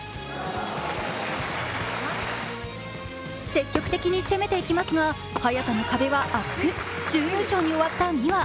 積極的に攻めていきますが、早田の壁は厚く、準優勝に終わった美和。